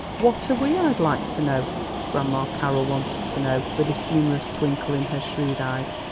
"What are we, I'd like to know?" Grandma Carroll wanted to know, with a humorous twinkle in her shrewd eyes.